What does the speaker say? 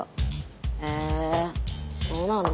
へえそうなんだ。